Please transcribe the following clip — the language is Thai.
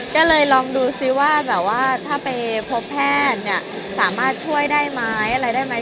ก็เลยลองดูซิว่าแบบว่าถ้าไปพบแพทย์เนี่ยสามารถช่วยได้ไหมอะไรได้ไหม